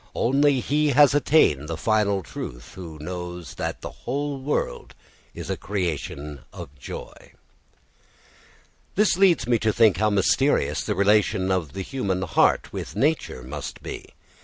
Only he has attained the final truth who knows that the whole world is a creation of joy. This leads me to think how mysterious the relation of the human heart with nature must be.